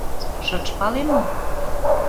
Шыч пале мо?